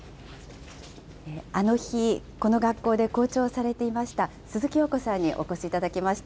あの日、この学校で校長をされていました鈴木洋子さんにお越しいただきました。